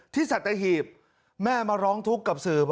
ที่สัตยฮีบแม่มาร้องทุกข์กับศือ